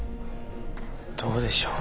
どうでしょう。